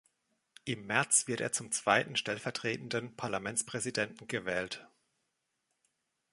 Im März wird er zum zweiten stellvertretenden Parlamentspräsidenten gewählt.